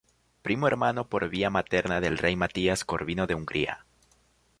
Primo hermano por vía materna del rey Matías Corvino de Hungría.